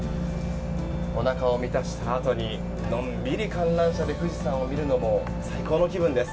おなかを満たしたあとにのんびり観覧車で富士山を見るのも最高の気分です。